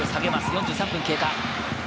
４３分経過。